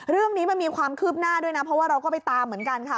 เรื่องนี้มันมีความคืบหน้าด้วยนะเพราะว่าเราก็ไปตามเหมือนกันค่ะ